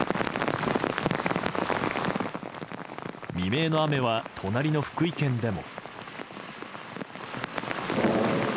未明の雨は隣の福井県でも。